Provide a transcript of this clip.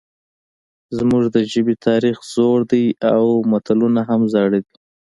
زموږ د ژبې تاریخ زوړ دی او متلونه هم زاړه دي